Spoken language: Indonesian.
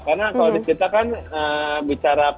karena kalau kita kan bicara pimpinan